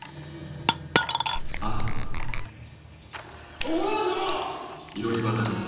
徳川様！